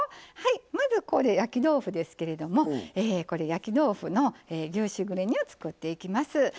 まず、焼き豆腐ですけれども焼き豆腐の牛しぐれ煮を作っていきます。